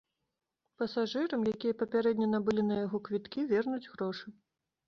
Пасажырам, якія папярэдне набылі на яго квіткі, вернуць грошы.